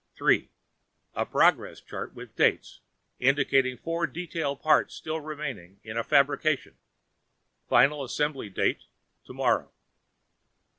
Three: A progress chart with dates, indicating four detail parts still remaining in fabrication. Final assembly date tomorrow!